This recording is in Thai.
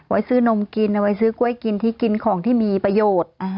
ไว้ซื้อนมกินเอาไว้ซื้อกล้วยกินที่กินของที่มีประโยชน์